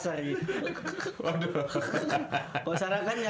kalau di sana kan